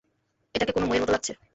এটাকে কোনো মইয়ের মতো লাগছে?